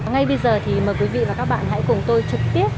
ngay bây giờ thì mời quý vị và các bạn hãy cùng tôi trực tiếp